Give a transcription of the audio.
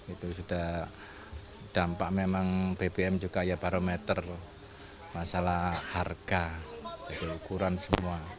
itu sudah dampak memang bbm juga ya barometer masalah harga jadi ukuran semua